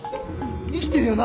生きてるよな！？